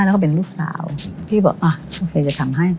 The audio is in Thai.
แล้วก็เป็นลูกสาวพี่บอกอ่ะโอเคจะทำให้